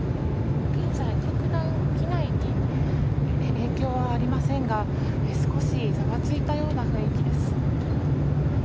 現在、特段機内に影響はありませんが少しざわついたような雰囲気です。